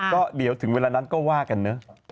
ก็เดี๋ยวถึงเวลานั้นก็ว่ากันเนอะ